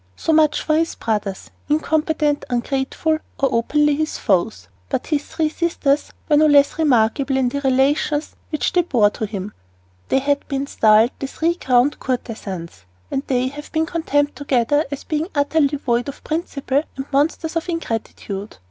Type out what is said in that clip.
So much for his brothers incompetent, ungrateful, or openly his foes. But his three sisters were no less remarkable in the relations which they bore to him. They have been styled "the three crowned courtesans," and they have been condemned together as being utterly void of principle and monsters of ingratitude.